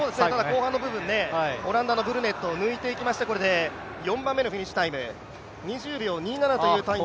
後半の部分、オランダの選手を抜いていきましてこれで４番目のフィニッシュタイム、２０秒２７というタイム。